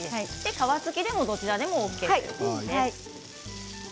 皮付きでもどちらでもＯＫですね。